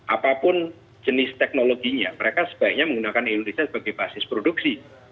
apapun jenis teknologinya mereka sebaiknya menggunakan indonesia sebagai basis produksi